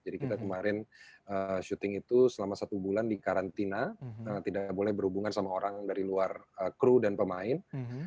jadi kita kemarin syuting itu selama satu bulan di karantina tidak boleh berhubungan sama orang dari luar kru dan pemain